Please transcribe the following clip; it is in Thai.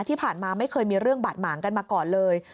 ที่ผ่านมาไม่เคยมีเรื่องบาดหมางกันมาก่อนเลย